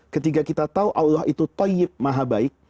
ketika kita tahu allah itu toyib maha baik